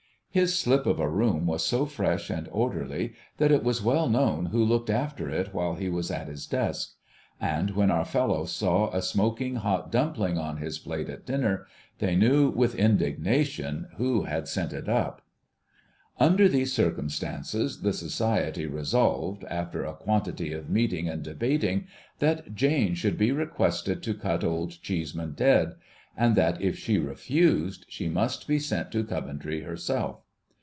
His slip of a room was so fresh and orderly that it was well known who looked after it while he was at his desk ; and when our fellows saw a smoking hot dumpling on his jilate at dinner, they knew with indignation who had sent it up. Under these circumstances, the Society resolved, after a quantity of meeting and del)ating, that Jane should be rec]uested to cut Old Cheeseman dead ; and that if she refused, she must be sent to Coventry herself.